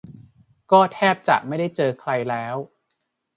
ก็แทบจะไม่ได้เจอใครแล้ว